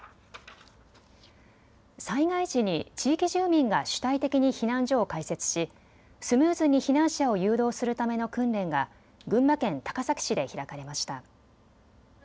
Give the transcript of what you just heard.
災害時に地域住民が主体的に避難所を開設しスムーズに避難者を誘導するための訓練が群馬県高崎市で開かれました。